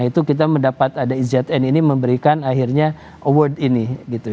nah itu kita mendapat izjadah dan ini memberikan akhirnya award ini